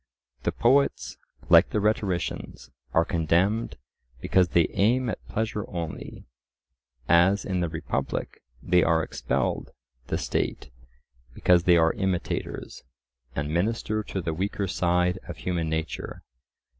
The poets, like the rhetoricians, are condemned because they aim at pleasure only, as in the Republic they are expelled by the State, because they are imitators, and minister to the weaker side of human nature.